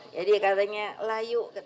jadi katanya lah yuk